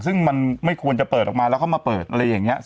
ซึ่งมันไม่ควรจะเปิดออกมาแล้วเข้ามาเปิดอะไรอย่างนี้